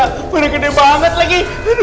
kau gede banget lagi